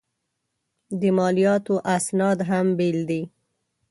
د مالیاتو اسناد هم بېل دي.